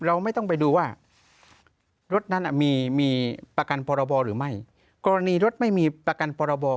เราไม่ต้องไปดูว่ารถนั้นมีมีประกันพรบหรือไม่กรณีรถไม่มีประกันพรบ